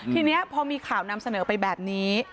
ทีนี้พอมีข่าวนำเสนอไปแบบนี้